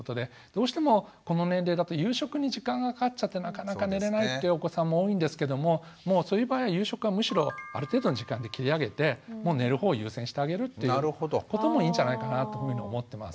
どうしてもこの年齢だと夕食に時間がかかっちゃってなかなか寝れないってお子さんも多いんですけどももうそういう場合は夕食はむしろある程度の時間で切り上げてもう寝る方を優先してあげるということもいいんじゃないかなというふうに思ってます。